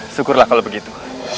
syukurlah kalau begitu